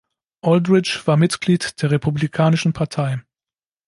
Aldrich war Mitglied der Republikanischen Partei.